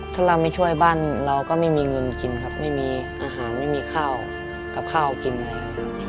ถ้าเราไม่ช่วยบ้านเราก็ไม่มีเงินกินครับไม่มีอาหารไม่มีข้าวกับข้าวกินอะไรอย่างนี้ครับ